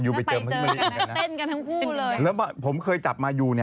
ธรรมาชาติชอบเต้นด้วยนะเหมือนมายูเลยเนอะ